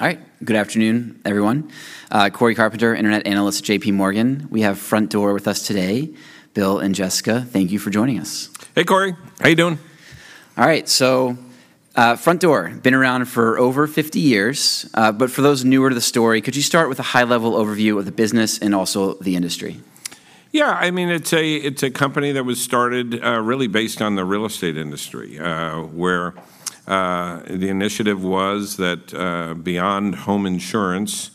All right. Good afternoon, everyone. Cory Carpenter, internet analyst at J.P. Morgan. We have Frontdoor with us today. Bill and Jessica, thank you for joining us. Hey, Cory. How you doing? All right, so, Frontdoor, been around for over 50 years. But for those newer to the story, could you start with a high-level overview of the business and also the industry? Yeah, I mean, it's a company that was started really based on the real estate industry, where the initiative was that beyond home insurance,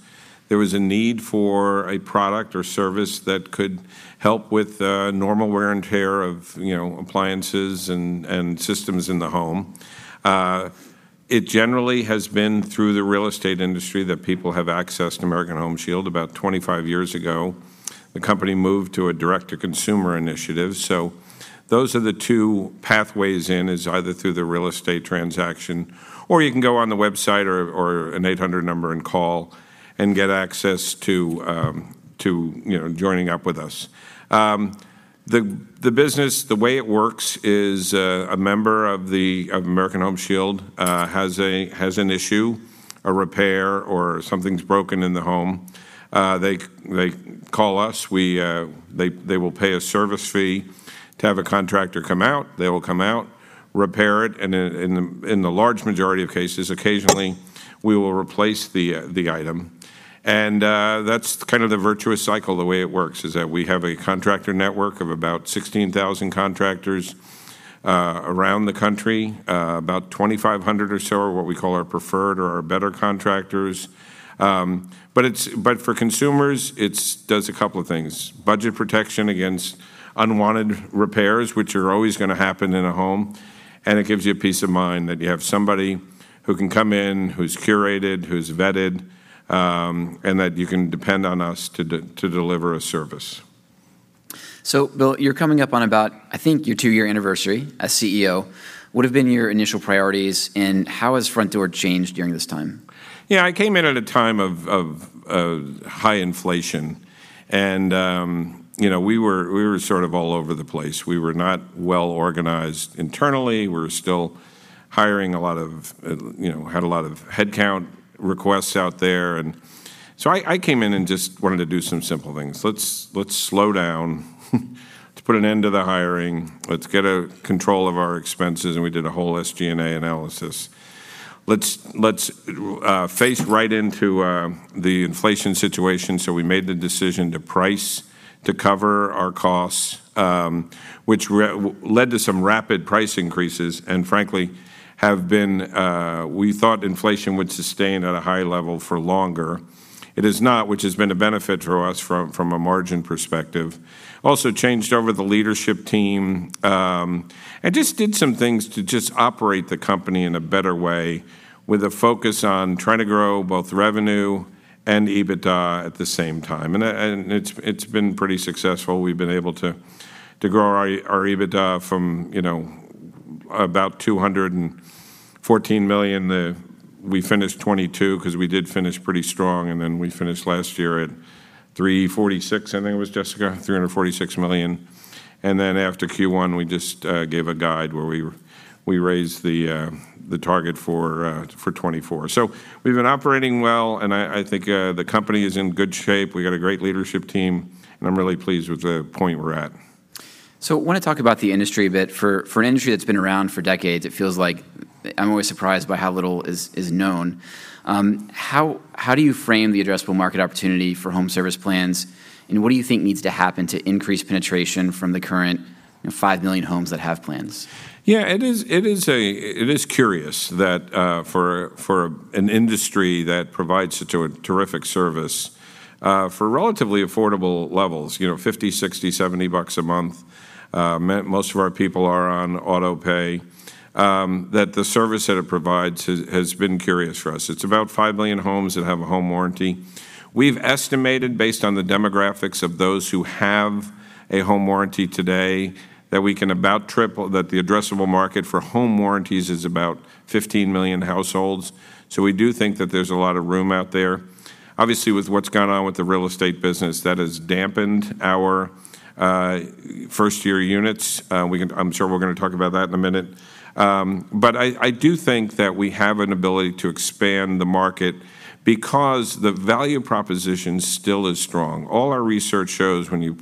there was a need for a product or service that could help with normal wear and tear of, you know, appliances and systems in the home. It generally has been through the real estate industry that people have accessed American Home Shield. About 25 years ago, the company moved to a direct-to-consumer initiative. So those are the two pathways in, is either through the real estate transaction, or you can go on the website or an 800 number and call and get access to, you know, joining up with us. The business, the way it works is, a member of American Home Shield has an issue, a repair, or something's broken in the home. They call us. They will pay a service fee to have a contractor come out. They will come out, repair it, and in the large majority of cases, occasionally, we will replace the item. And, that's kind of the virtuous cycle, the way it works, is that we have a contractor network of about 16,000 contractors around the country. About 2,500 or so are what we call our preferred or our better contractors. But for consumers, it does a couple of things: budget protection against unwanted repairs, which are always gonna happen in a home, and it gives you peace of mind that you have somebody who can come in, who's curated, who's vetted, and that you can depend on us to deliver a service. Bill, you're coming up on about, I think, your two-year anniversary as CEO. What have been your initial priorities, and how has Frontdoor changed during this time? Yeah, I came in at a time of high inflation, and you know, we were sort of all over the place. We were not well organized internally. We were still hiring a lot of, you know, had a lot of headcount requests out there. So I came in and just wanted to do some simple things. Let's slow down, let's put an end to the hiring, let's get control of our expenses, and we did a whole SG&A analysis. Let's face right into the inflation situation. So we made the decision to price to cover our costs, which led to some rapid price increases, and frankly, have been... We thought inflation would sustain at a high level for longer. It has not, which has been a benefit to us from a margin perspective. Also changed over the leadership team, and just did some things to just operate the company in a better way, with a focus on trying to grow both revenue and EBITDA at the same time. And, it's been pretty successful. We've been able to grow our EBITDA from, you know, about $214 million. We finished 2022, 'cause we did finish pretty strong, and then we finished last year at $346 million, I think it was, Jessica. And then after Q1, we just gave a guide where we raised the target for 2024. So we've been operating well, and I think the company is in good shape. We've got a great leadership team, and I'm really pleased with the point we're at. So I wanna talk about the industry a bit. For an industry that's been around for decades, it feels like I'm always surprised by how little is known. How do you frame the addressable market opportunity for home service plans, and what do you think needs to happen to increase penetration from the current, you know, 5 million homes that have plans? Yeah, it is. It is curious that, for, for an industry that provides such a terrific service, for relatively affordable levels, you know, $50-$70 a month, most of our people are on auto pay, that the service that it provides has been curious for us. It's about five million homes that have a home warranty. We've estimated, based on the demographics of those who have a home warranty today, that we can about triple that the addressable market for home warranties is about 15 million households. So we do think that there's a lot of room out there. Obviously, with what's gone on with the real estate business, that has dampened our first-year units. I'm sure we're gonna talk about that in a minute. But I do think that we have an ability to expand the market because the value proposition still is strong. All our research shows when you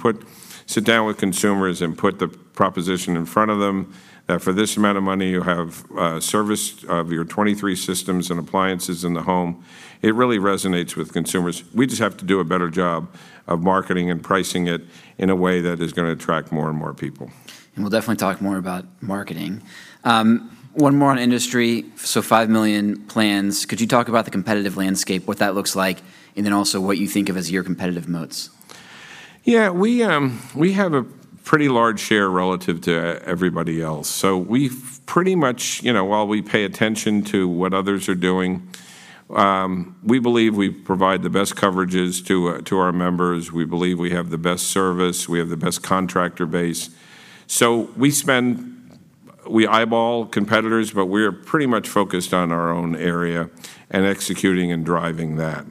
sit down with consumers and put the proposition in front of them, that for this amount of money, you have service of your 23 systems and appliances in the home, it really resonates with consumers. We just have to do a better job of marketing and pricing it in a way that is gonna attract more and more people. We'll definitely talk more about marketing. One more on industry. So five million plans, could you talk about the competitive landscape, what that looks like, and then also what you think of as your competitive moats? Yeah. We have a pretty large share relative to everybody else, so we've pretty much. You know, while we pay attention to what others are doing, we believe we provide the best coverages to our members. We believe we have the best service, we have the best contractor base. So we spend, we eyeball competitors, but we're pretty much focused on our own area and executing and driving that.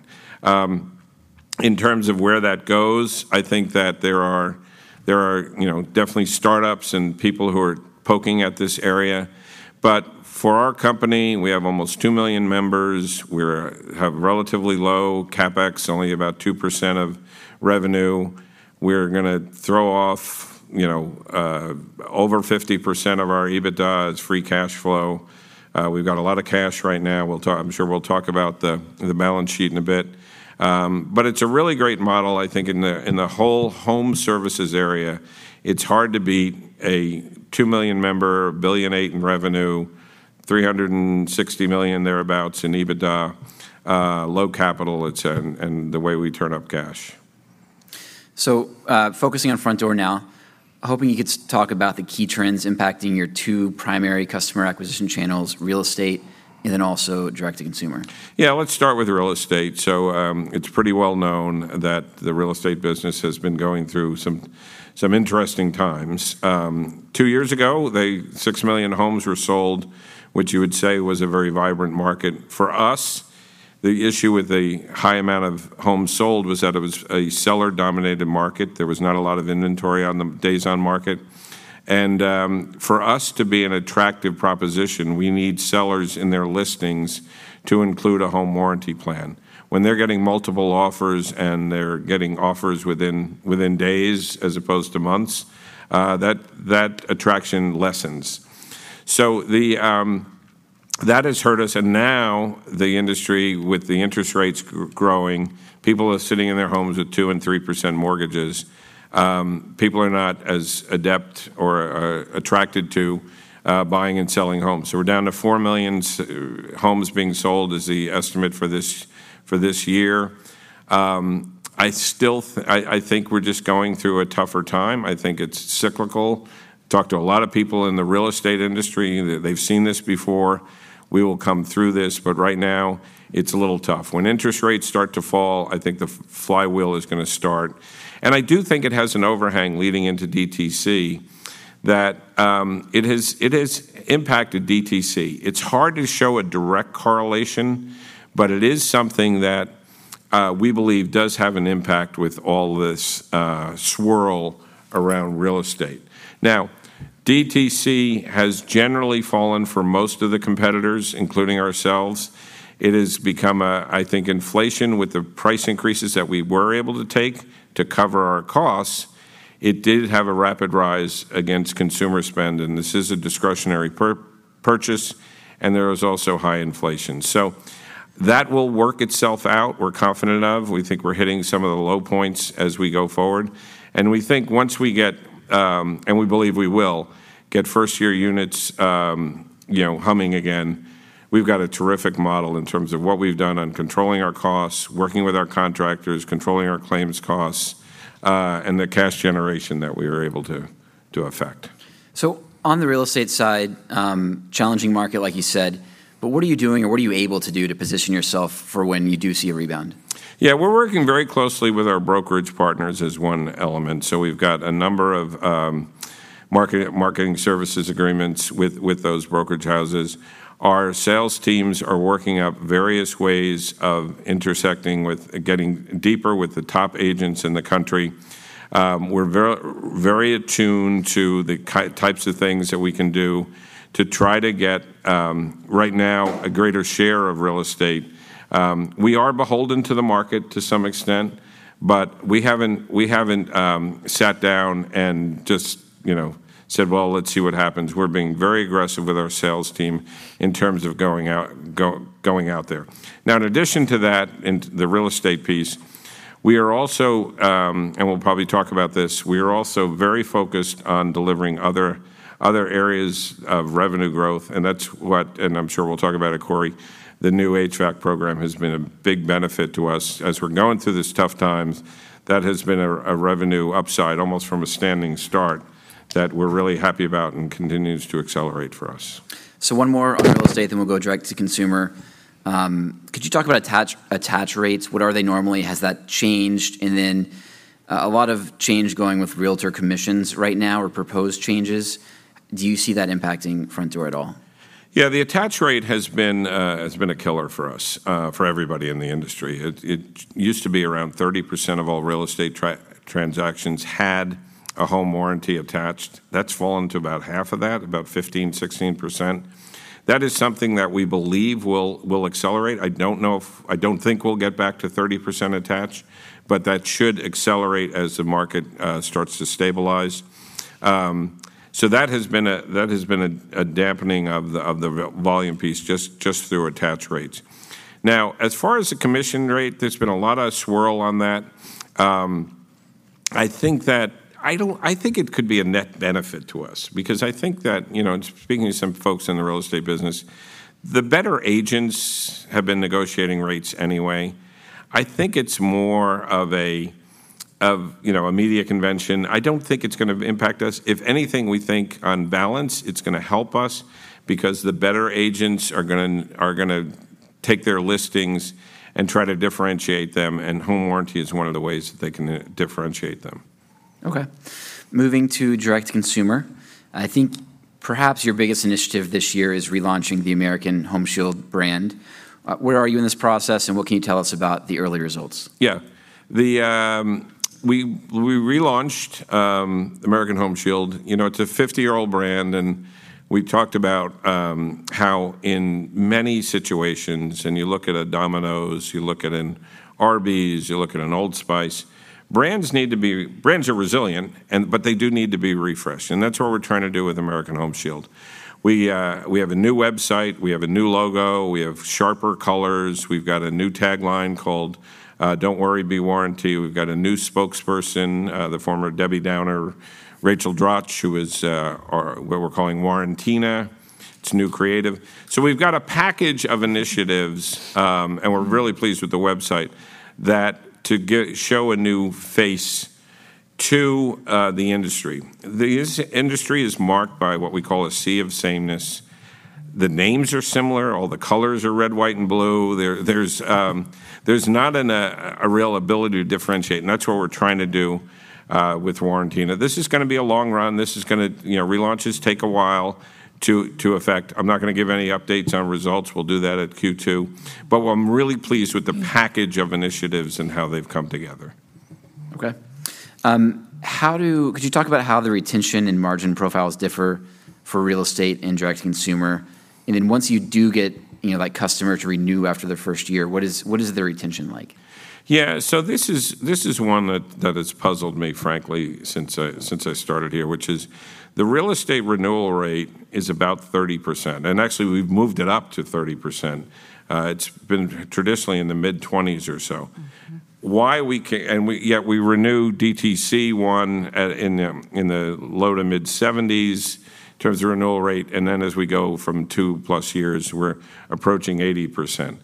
In terms of where that goes, I think that there are, there are, you know, definitely startups and people who are poking at this area. But for our company, we have almost two million members. We have relatively low CapEx, only about 2% of revenue. We're gonna throw off, you know, over 50% of our EBITDA as free cash flow. We've got a lot of cash right now. We'll talk. I'm sure we'll talk about the balance sheet in a bit. But it's a really great model, I think, in the whole home services area. It's hard to beat a 2 million member, $1.8 billion in revenue, $360 million, thereabouts, in EBITDA, low capital, et cetera, and the way we turn up cash. Focusing on Frontdoor now, hoping you could talk about the key trends impacting your two primary customer acquisition channels: real estate and then also direct-to-consumer. Yeah, let's start with real estate. So, it's pretty well known that the real estate business has been going through some interesting times. Two years ago, six million homes were sold, which you would say was a very vibrant market. For us, the issue with the high amount of homes sold was that it was a seller-dominated market. There was not a lot of inventory on the days on market. And, for us to be an attractive proposition, we need sellers in their listings to include a home warranty plan. When they're getting multiple offers, and they're getting offers within days as opposed to months, that attraction lessens. So that has hurt us, and now the industry, with the interest rates growing, people are sitting in their homes with 2% and 3% mortgages. People are not as adept or attracted to buying and selling homes. So we're down to four million homes being sold is the estimate for this year. I still think we're just going through a tougher time. I think it's cyclical. Talked to a lot of people in the real estate industry. They've seen this before. We will come through this, but right now, it's a little tough. When interest rates start to fall, I think the flywheel is gonna start. And I do think it has an overhang leading into DTC, that it has impacted DTC. It's hard to show a direct correlation, but it is something that we believe does have an impact with all this swirl around real estate. Now, DTC has generally fallen for most of the competitors, including ourselves. It has become I think inflation, with the price increases that we were able to take to cover our costs, it did have a rapid rise against consumer spend, and this is a discretionary purchase, and there is also high inflation. So that will work itself out, we're confident of. We think we're hitting some of the low points as we go forward, and we think once we get, and we believe we will, get first-year units, you know, humming again, we've got a terrific model in terms of what we've done on controlling our costs, working with our contractors, controlling our claims costs, and the cash generation that we are able to, to affect. On the real estate side, challenging market, like you said, but what are you doing, or what are you able to do to position yourself for when you do see a rebound? Yeah, we're working very closely with our brokerage partners as one element. So we've got a number of marketing services agreements with those brokerage houses. Our sales teams are working up various ways of intersecting with getting deeper with the top agents in the country. We're very, very attuned to the types of things that we can do to try to get, right now, a greater share of real estate. We are beholden to the market to some extent, but we haven't sat down and just, you know, said, "Well, let's see what happens." We're being very aggressive with our sales team in terms of going out, going out there. Now, in addition to that, in the real estate piece, we are also and we'll probably talk about this, we are also very focused on delivering other areas of revenue growth, and that's what, and I'm sure we'll talk about it, Cory, the new HVAC program has been a big benefit to us. As we're going through this tough times, that has been a revenue upside, almost from a standing start, that we're really happy about and continues to accelerate for us. So one more on real estate, then we'll go direct to consumer. Could you talk about attach rates? What are they normally? Has that changed? And then, a lot of change going with realtor commissions right now or proposed changes, do you see that impacting Frontdoor at all? Yeah, the attach rate has been a killer for us, for everybody in the industry. It used to be around 30% of all real estate transactions had a home warranty attached. That's fallen to about half of that, about 15%-16%. That is something that we believe will accelerate. I don't think we'll get back to 30% attached, but that should accelerate as the market starts to stabilize. So that has been a dampening of the volume piece, just through attach rates. Now, as far as the commission rate, there's been a lot of swirl on that. I think it could be a net benefit to us because I think that, you know, speaking to some folks in the real estate business, the better agents have been negotiating rates anyway. I think it's more of a, you know, a media convention. I don't think it's gonna impact us. If anything, we think, on balance, it's gonna help us because the better agents are gonna take their listings and try to differentiate them, and home warranty is one of the ways that they can differentiate them. Okay. Moving to direct consumer, I think perhaps your biggest initiative this year is relaunching the American Home Shield brand. Where are you in this process, and what can you tell us about the early results? Yeah. We relaunched American Home Shield. You know, it's a 50-year-old brand, and we've talked about how in many situations, and you look at a Domino's, you look at an Arby's, you look at an Old Spice, brands need to be-- brands are resilient, and, but they do need to be refreshed, and that's what we're trying to do with American Home Shield. We, we have a new website, we have a new logo, we have sharper colors, we've got a new tagline called "Don't worry, be warranty." We've got a new spokesperson, the former Debbie Downer, Rachel Dratch, who is, or what we're calling Warrantina. It's new creative. So we've got a package of initiatives, and we're really pleased with the website, that to get-- show a new face to the industry. The industry is marked by what we call a sea of sameness. The names are similar, all the colors are red, white, and blue. There's not a real ability to differentiate, and that's what we're trying to do with Warrantina. This is gonna be a long run. This is gonna, you know, relaunches take a while to effect. I'm not gonna give any updates on results. We'll do that at Q2. But what I'm really pleased with the package of initiatives and how they've come together. Okay. Could you talk about how the retention and margin profiles differ for real estate and direct consumer? And then once you do get, you know, like, customers to renew after their first year, what is the retention like? Yeah, so this is one that has puzzled me, frankly, since I started here, which is the real estate renewal rate is about 30%, and actually, we've moved it up to 30%. It's been traditionally in the mid-20s% or so. Mm-hmm. And yet we renew DTC one at in the low to mid 70s% in terms of renewal rate, and then as we go from two plus years, we're approaching 80%.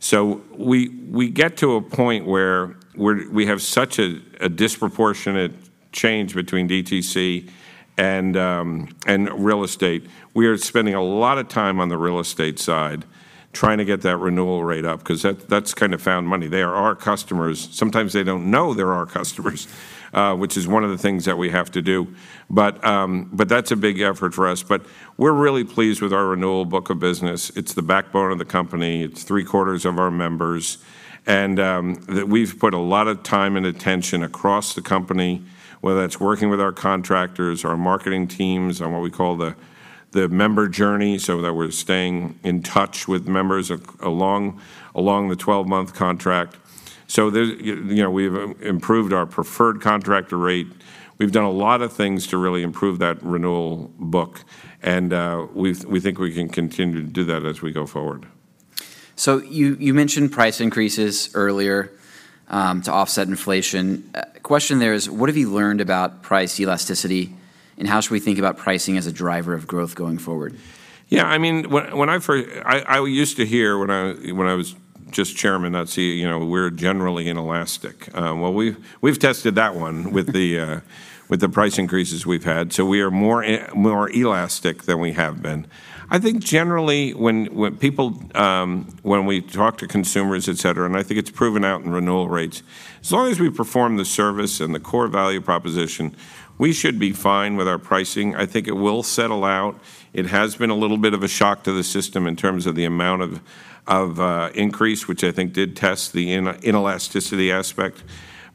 So we get to a point where we have such a disproportionate change between DTC and real estate. We are spending a lot of time on the real estate side, trying to get that renewal rate up, 'cause that, that's kind of found money. They are our customers. Sometimes they don't know they're our customers, which is one of the things that we have to do. But that's a big effort for us, but we're really pleased with our renewal book of business. It's the backbone of the company. It's three-quarters of our members, and that we've put a lot of time and attention across the company, whether that's working with our contractors, our marketing teams, on what we call the member journey, so that we're staying in touch with members along the 12-month contract. So there, you know, we've improved our preferred contractor rate. We've done a lot of things to really improve that renewal book, and we think we can continue to do that as we go forward. So you mentioned price increases earlier, to offset inflation. Question there is, what have you learned about price elasticity, and how should we think about pricing as a driver of growth going forward? Yeah, I mean, when I first used to hear when I was just chairman, not CEO, you know, we're generally inelastic. Well, we've tested that one with the price increases we've had, so we are more elastic than we have been. I think generally, when people, when we talk to consumers, et cetera, and I think it's proven out in renewal rates, as long as we perform the service and the core value proposition, we should be fine with our pricing. I think it will settle out. It has been a little bit of a shock to the system in terms of the amount of increase, which I think did test the inelasticity aspect.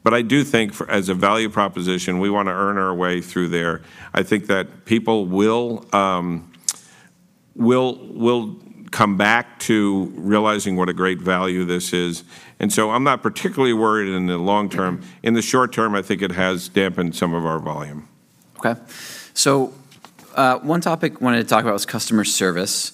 But I do think, as a value proposition, we want to earn our way through there. I think that people will come back to realizing what a great value this is, and so I'm not particularly worried in the long term. In the short term, I think it has dampened some of our volume. Okay. So, one topic I wanted to talk about was customer service.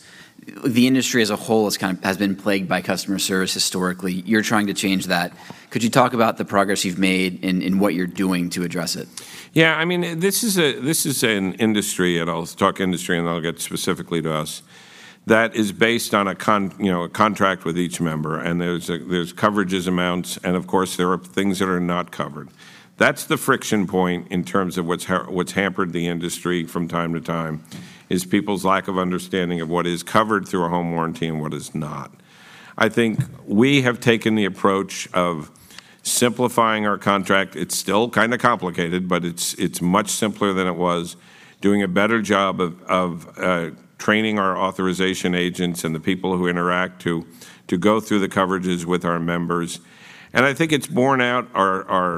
The industry as a whole has been plagued by customer service historically. You're trying to change that. Could you talk about the progress you've made and what you're doing to address it? Yeah, I mean, this is an industry, and I'll talk industry, and then I'll get specifically to us, that is based on a, you know, a contract with each member, and there's coverages, amounts, and of course, there are things that are not covered. That's the friction point in terms of what's hampered the industry from time to time, is people's lack of understanding of what is covered through a home warranty and what is not. I think we have taken the approach of simplifying our contract. It's still kind of complicated, but it's much simpler than it was, doing a better job of training our authorization agents and the people who interact to go through the coverages with our members, and I think it's borne out. Our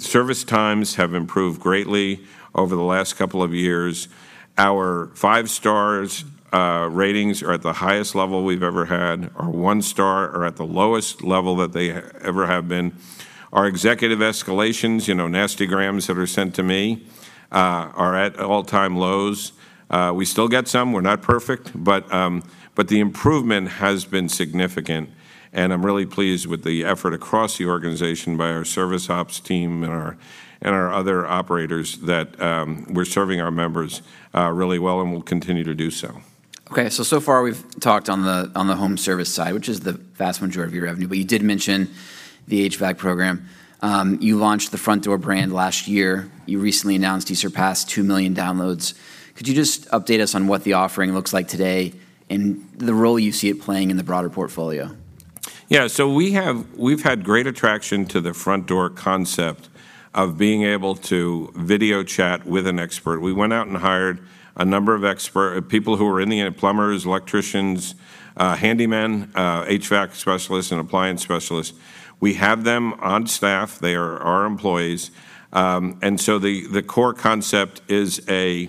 service times have improved greatly over the last couple of years. Our five-stars ratings are at the highest level we've ever had. Our one-star are at the lowest level that they ever have been. Our executive escalations, you know, nastygrams that are sent to me, are at all-time lows. We still get some, we're not perfect, but the improvement has been significant, and I'm really pleased with the effort across the organization by our service ops team and our other operators, that we're serving our members really well and will continue to do so. Okay, so so far, we've talked on the, on the home service side, which is the vast majority of your revenue, but you did mention the HVAC program. You launched the Frontdoor brand last year. You recently announced you surpassed 2 million downloads. Could you just update us on what the offering looks like today and the role you see it playing in the broader portfolio? ... Yeah, so we have, we've had great attraction to the Frontdoor concept of being able to video chat with an expert. We went out and hired a number of expert people who were in the plumbers, electricians, handymen, HVAC specialists, and appliance specialists. We have them on staff. They are our employees. And so the core concept is what we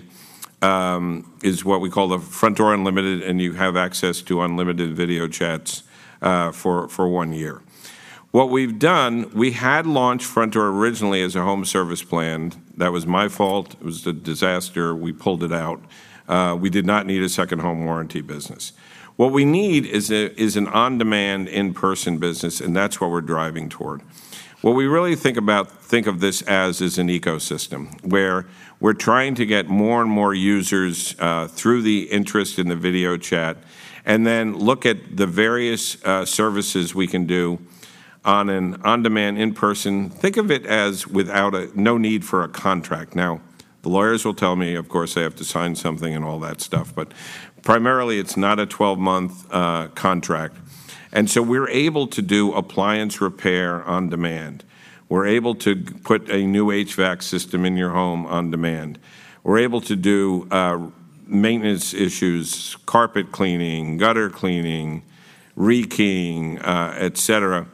call the Frontdoor Unlimited, and you have access to unlimited video chats for one year. What we've done, we had launched Frontdoor originally as a home service plan. That was my fault. It was a disaster. We pulled it out. We did not need a second home warranty business. What we need is an on-demand, in-person business, and that's what we're driving toward. Think of this as an ecosystem, where we're trying to get more and more users through the interest in the video chat, and then look at the various services we can do on an on-demand, in-person. Think of it as no need for a contract. Now, the lawyers will tell me, of course, they have to sign something and all that stuff, but primarily, it's not a 12-month contract. And so we're able to do appliance repair on demand. We're able to put a new HVAC system in your home on demand. We're able to do maintenance issues, carpet cleaning, gutter cleaning, rekeying, etc.,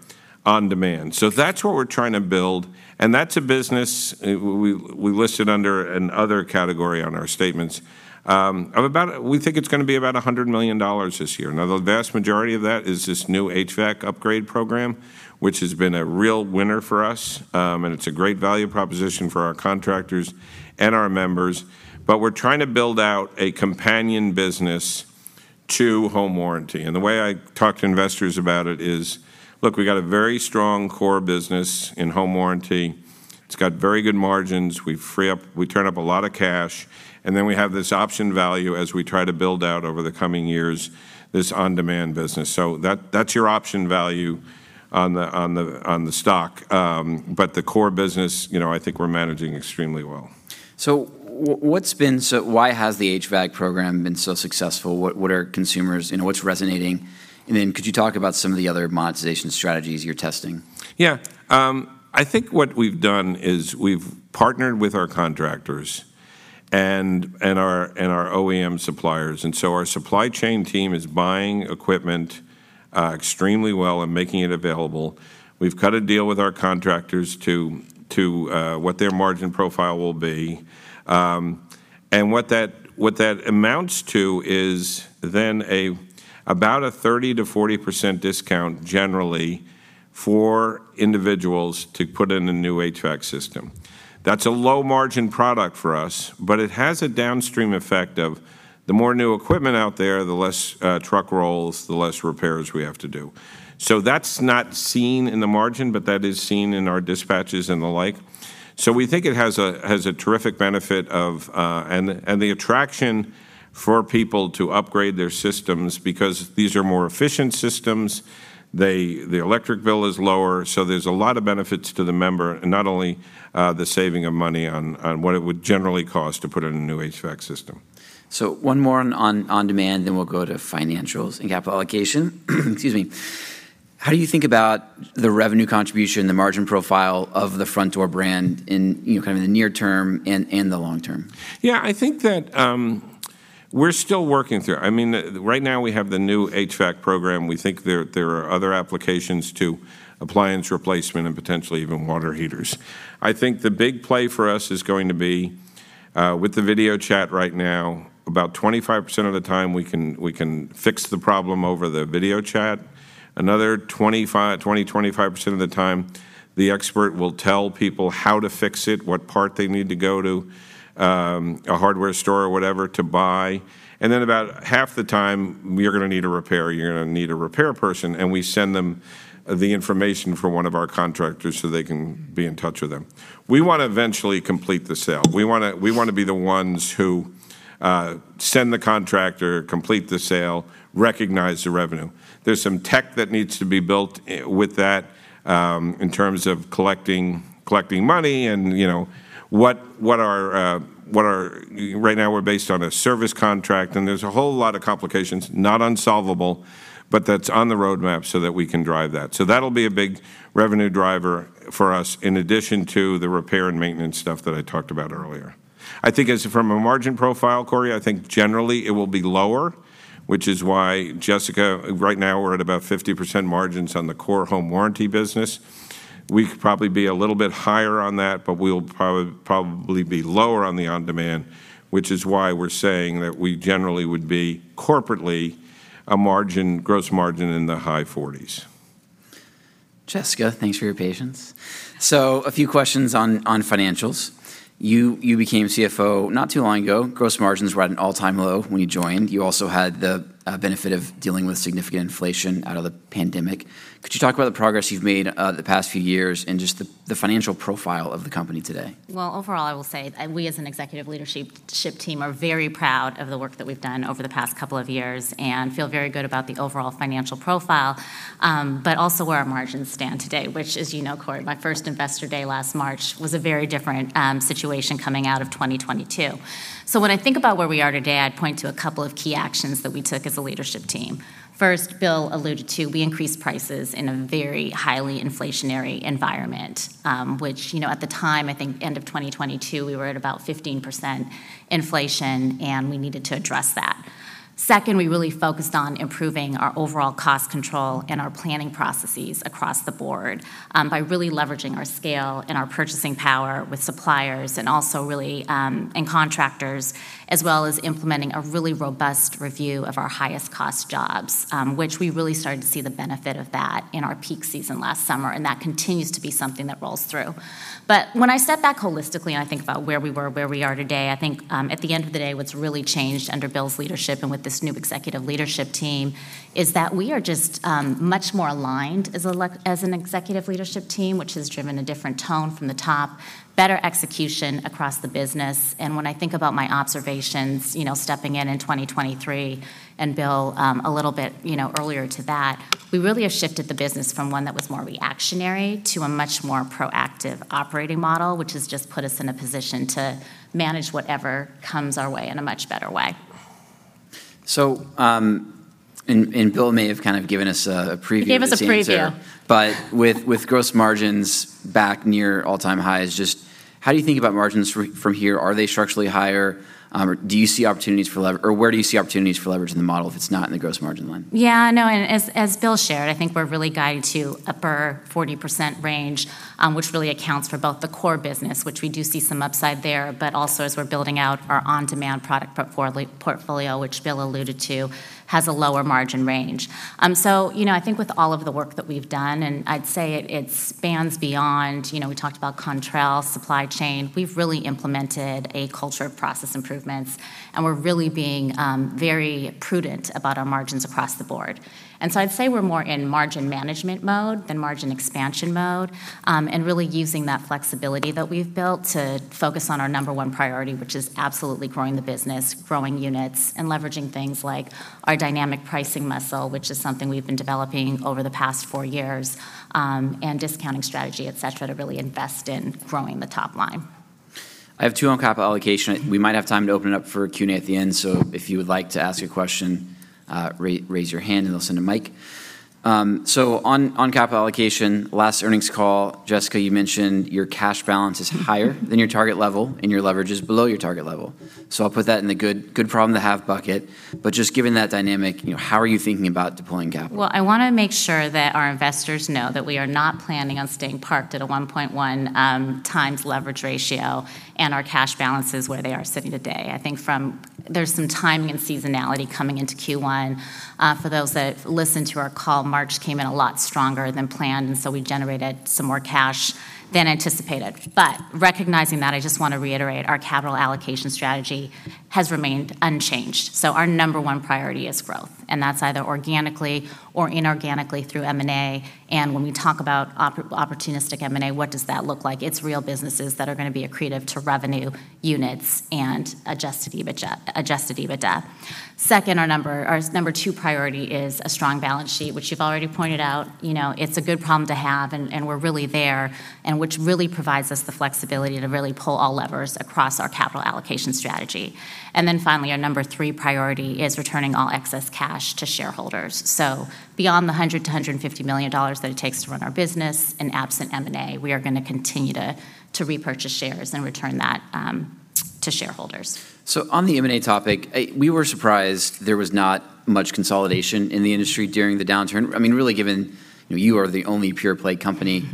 on demand. So that's what we're trying to build, and that's a business we listed under another category on our statements. We think it's gonna be about $100 million this year. Now, the vast majority of that is this new HVAC upgrade program, which has been a real winner for us, and it's a great value proposition for our contractors and our members. But we're trying to build out a companion business to home warranty, and the way I talk to investors about it is: Look, we've got a very strong core business in home warranty. It's got very good margins. We free up, we turn up a lot of cash, and then we have this option value as we try to build out over the coming years, this on-demand business. So that, that's your option value on the stock. But the core business, you know, I think we're managing extremely well. Why has the HVAC program been so successful? What are consumers, you know, what's resonating? And then could you talk about some of the other monetization strategies you're testing? Yeah. I think what we've done is we've partnered with our contractors and our OEM suppliers, and so our supply chain team is buying equipment extremely well and making it available. We've cut a deal with our contractors to what their margin profile will be. And what that amounts to is then about a 30%-40% discount generally for individuals to put in a new HVAC system. That's a low-margin product for us, but it has a downstream effect of the more new equipment out there, the less truck rolls, the less repairs we have to do. So that's not seen in the margin, but that is seen in our dispatches and the like. So we think it has a terrific benefit of... The attraction for people to upgrade their systems because these are more efficient systems, they, the electric bill is lower, so there's a lot of benefits to the member, and not only the saving of money on what it would generally cost to put in a new HVAC system. So one more on on-demand, then we'll go to financials and capital allocation. Excuse me. How do you think about the revenue contribution, the margin profile of the Frontdoor brand in, you know, kind of the near term and the long term? Yeah, I think that, we're still working through. I mean, right now, we have the new HVAC program. We think there are other applications to appliance replacement and potentially even water heaters. I think the big play for us is going to be with the video chat right now, about 25% of the time, we can fix the problem over the video chat. Another 25% of the time, the expert will tell people how to fix it, what part they need to go to a hardware store or whatever, to buy. And then about half the time, you're gonna need a repair, you're gonna need a repair person, and we send them the information for one of our contractors, so they can be in touch with them. We want to eventually complete the sale. We wanna, we wanna be the ones who send the contractor, complete the sale, recognize the revenue. There's some tech that needs to be built with that, in terms of collecting, collecting money and, you know. Right now, we're based on a service contract, and there's a whole lot of complications, not unsolvable, but that's on the roadmap so that we can drive that. So that'll be a big revenue driver for us, in addition to the repair and maintenance stuff that I talked about earlier. I think as from a margin profile, Cory, I think generally it will be lower, which is why Jessica, right now, we're at about 50% margins on the core home warranty business. We could probably be a little bit higher on that, but we'll probably be lower on the on-demand, which is why we're saying that we generally would be, corporately, a margin, gross margin in the high 40s. Jessica, thanks for your patience. So a few questions on financials. You became CFO not too long ago. Gross margins were at an all-time low when you joined. You also had the benefit of dealing with significant inflation out of the pandemic. Could you talk about the progress you've made, the past few years, and just the financial profile of the company today? Well, overall, I will say, we as an executive leadership team are very proud of the work that we've done over the past couple of years, and feel very good about the overall financial profile, but also where our margins stand today, which, as you know, Cory, my first Investor Day last March was a very different situation coming out of 2022. So when I think about where we are today, I'd point to a couple of key actions that we took as a leadership team. First, Bill alluded to, we increased prices in a very highly inflationary environment, which, you know, at the time, I think end of 2022, we were at about 15% inflation, and we needed to address that. Second, we really focused on improving our overall cost control and our planning processes across the board, by really leveraging our scale and our purchasing power with suppliers, and also really, and contractors, as well as implementing a really robust review of our highest cost jobs, which we really started to see the benefit of that in our peak season last summer, and that continues to be something that rolls through. But when I step back holistically, and I think about where we were, where we are today, I think, at the end of the day, what's really changed under Bill's leadership and with this new executive leadership team, is that we are just, much more aligned as an executive leadership team, which has driven a different tone from the top, better execution across the business. When I think about my observations, you know, stepping in in 2023, and Bill a little bit, you know, earlier to that, we really have shifted the business from one that was more reactionary to a much more proactive operating model, which has just put us in a position to manage whatever comes our way in a much better way. So, Bill may have kind of given us a preview. He gave us a preview. But with gross margins back near all-time highs, just how do you think about margins from here? Are they structurally higher? Or do you see opportunities for leverage in the model if it's not in the gross margin line? Yeah, no, and as Bill shared, I think we're really guided to upper 40% range, which really accounts for both the core business, which we do see some upside there, but also, as we're building out our on-demand product portfolio, which Bill alluded to, has a lower margin range. So, you know, I think with all of the work that we've done, and I'd say it spans beyond, you know, we talked about control, supply chain, we've really implemented a culture of process improvements, and we're really being very prudent about our margins across the board. I'd say we're more in margin management mode than margin expansion mode, and really using that flexibility that we've built to focus on our number one priority, which is absolutely growing the business, growing units, and leveraging things like our dynamic pricing muscle, which is something we've been developing over the past four years, and discounting strategy, et cetera, to really invest in growing the top line. I have two on capital allocation. We might have time to open it up for Q&A at the end, so if you would like to ask a question, raise your hand, and they'll send a mic. So on capital allocation, last earnings call, Jessica, you mentioned your cash balance is higher than your target level, and your leverage is below your target level. So I'll put that in the good, good problem to have bucket, but just given that dynamic, you know, how are you thinking about deploying capital? Well, I wanna make sure that our investors know that we are not planning on staying parked at a 1.1x leverage ratio, and our cash balance is where they are sitting today. I think there's some timing and seasonality coming into Q1. For those that listened to our call, March came in a lot stronger than planned, so we generated some more cash than anticipated. But recognizing that, I just want to reiterate, our capital allocation strategy has remained unchanged. So our number one priority is growth, and that's either organically or inorganically through M&A. And when we talk about opportunistic M&A, what does that look like? It's real businesses that are gonna be accretive to revenue, units, and Adjusted EBITDA. Second, our number two priority is a strong balance sheet, which you've already pointed out, you know, it's a good problem to have, and we're really there, and which really provides us the flexibility to really pull all levers across our capital allocation strategy. And then finally, our number three priority is returning all excess cash to shareholders. So beyond the $100 million-$150 million that it takes to run our business, and absent M&A, we are gonna continue to repurchase shares and return that to shareholders. So on the M&A topic, we were surprised there was not much consolidation in the industry during the downturn. I mean, really, given, you know, you are the only pure play company.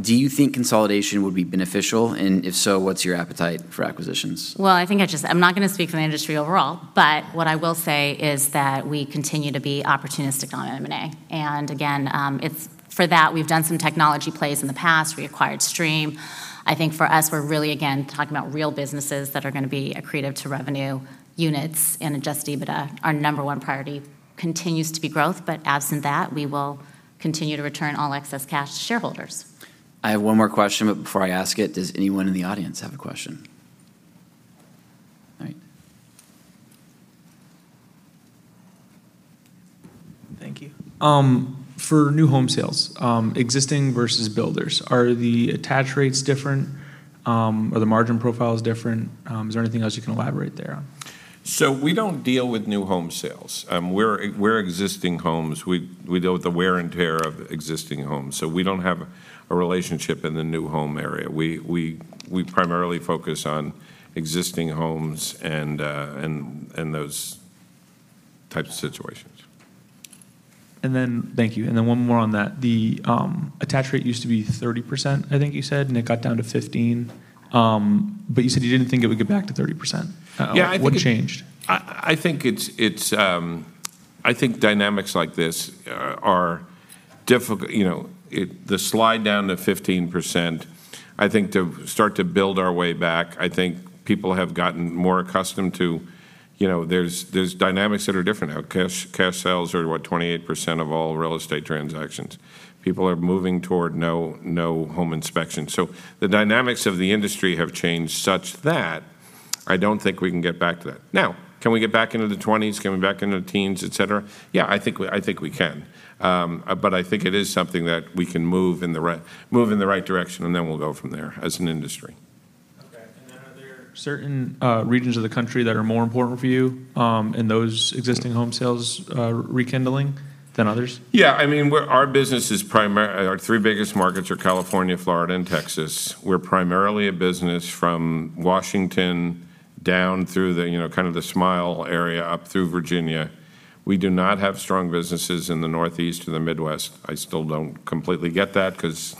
Do you think consolidation would be beneficial? If so, what's your appetite for acquisitions? Well, I think I'm not gonna speak for the industry overall, but what I will say is that we continue to be opportunistic on M&A. And again, it's for that, we've done some technology plays in the past. We acquired Streem. I think for us, we're really, again, talking about real businesses that are gonna be accretive to revenue, units, and Adjusted EBITDA. Our number one priority continues to be growth, but absent that, we will continue to return all excess cash to shareholders. I have one more question, but before I ask it, does anyone in the audience have a question? All right. Thank you. For new home sales, existing versus builders, are the attach rates different? Are the margin profiles different? Is there anything else you can elaborate there on? So we don't deal with new home sales. We're existing homes. We deal with the wear and tear of existing homes, so we don't have a relationship in the new home area. We primarily focus on existing homes and those types of situations. And then, thank you. And then one more on that. The attach rate used to be 30%, I think you said, and it got down to 15%. But you said you didn't think it would get back to 30%. Yeah, I think- What changed? I think it's I think dynamics like this are difficult. You know, the slide down to 15%, I think to start to build our way back, I think people have gotten more accustomed to, you know, there's dynamics that are different now. Cash sales are, what, 28% of all real estate transactions. People are moving toward no home inspection. So the dynamics of the industry have changed such that I don't think we can get back to that. Now, can we get back into the 20s, can we get back into the teens, et cetera? Yeah, I think we, I think we can. But I think it is something that we can move in the right, move in the right direction, and then we'll go from there as an industry. Okay. And then are there certain regions of the country that are more important for you in those existing home sales rekindling than others? Yeah, I mean, our business is primarily our three biggest markets are California, Florida, and Texas. We're primarily a business from Washington down through the, you know, kind of the Smile area, up through Virginia. We do not have strong businesses in the Northeast or the Midwest. I still don't completely get that, 'cause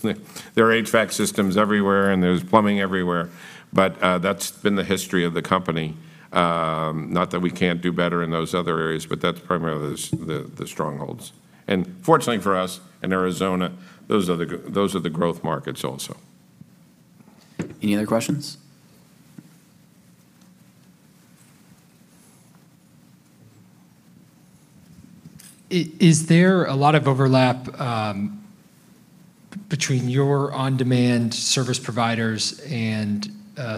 there are HVAC systems everywhere, and there's plumbing everywhere. But, that's been the history of the company. Not that we can't do better in those other areas, but that's primarily the strongholds. And fortunately for us, in Arizona, those are the growth markets also. Any other questions? Is there a lot of overlap between your on-demand service providers and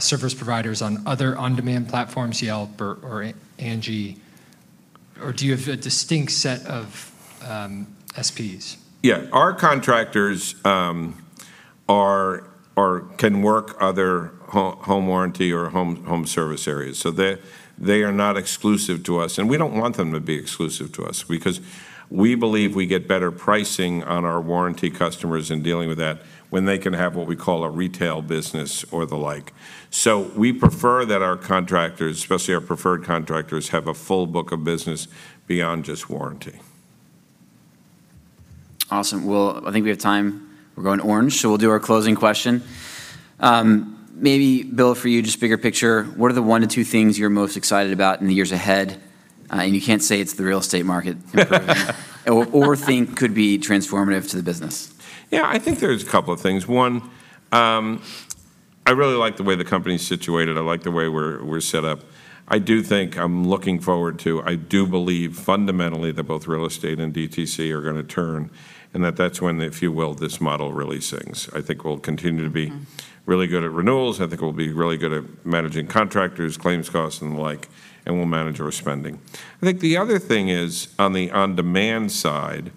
service providers on other on-demand platforms, Yelp or Angi? Or do you have a distinct set of SPs? Yeah. Our contractors can work other home warranty or home service areas. So they are not exclusive to us, and we don't want them to be exclusive to us because we believe we get better pricing on our warranty customers in dealing with that when they can have what we call a retail business or the like. So we prefer that our contractors, especially our preferred contractors, have a full book of business beyond just warranty. Awesome. Well, I think we have time. We're going orange, so we'll do our closing question. Maybe, Bill, for you, just bigger picture, what are the 1-2 things you're most excited about in the years ahead? And you can't say it's the real estate market. Or think could be transformative to the business. Yeah, I think there's a couple of things. One, I really like the way the company's situated. I like the way we're set up. I do think I'm looking forward to... I do believe fundamentally that both real estate and DTC are gonna turn, and that that's when, if you will, this model really sings. I think we'll continue to be really good at renewals. I think we'll be really good at managing contractors, claims costs, and the like, and we'll manage our spending. I think the other thing is, on the on-demand side,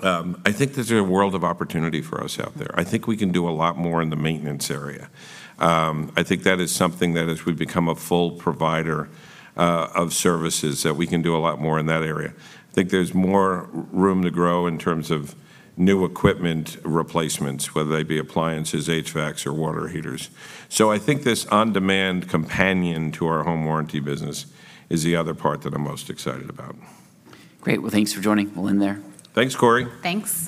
I think there's a world of opportunity for us out there. I think we can do a lot more in the maintenance area. I think that is something that, as we become a full provider of services, that we can do a lot more in that area. I think there's more room to grow in terms of new equipment replacements, whether they be appliances, HVACs, or water heaters. So I think this on-demand companion to our home warranty business is the other part that I'm most excited about. Great. Well, thanks for joining. We'll end there. Thanks, Corey. Thanks.